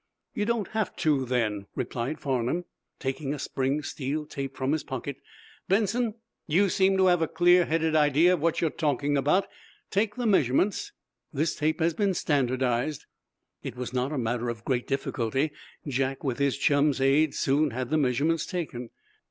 "You don't have to, then," replied Farnum, taking a spring steel tape from his pocket. "Benson, you seem to have a clear headed idea of what you're talking about. Take the measurements. This tape has been standardized." It was not a matter of great difficulty. Jack, with his chum's aid, soon had the measurements taken.